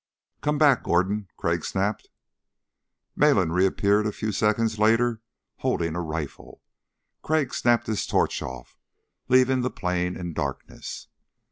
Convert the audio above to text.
"Come back, Gordon," Crag snapped. Malin reappeared a few seconds later holding a rifle. Crag snapped his torch off, leaving the plain in darkness.